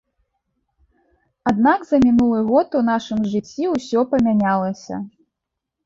Аднак за мінулы год у нашым жыцці ўсё памянялася.